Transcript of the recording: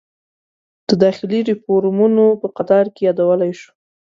د داخلي ریفورومونو په قطار کې یادولی شو.